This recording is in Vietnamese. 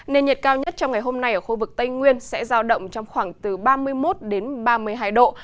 nền nhiệt cao nhất trong ngày hôm nay ở khu vực tây nguyên sẽ giao động trong khoảng từ ba mươi một đến ba mươi hai độ